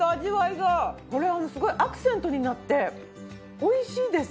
これはすごいアクセントになって美味しいです。